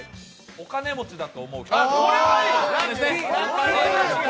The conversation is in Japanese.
お金持ちだと思う人。